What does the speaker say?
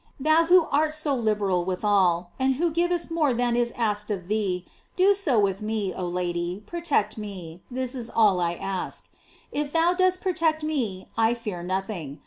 Thou who art so liberal with all, and who givest more than is asked of thee, do so with me, Oh Lady, protect me, this is all I ask. If thou dost protect me I fear nothing.